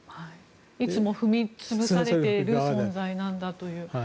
いつも踏みつけられている存在なんだと。